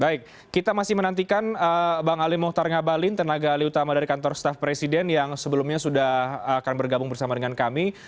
baik kita masih menantikan bang ali mohtar ngabalin tenaga ali utama dari kantor staff presiden yang sebelumnya sudah akan bergabung bersama dengan kami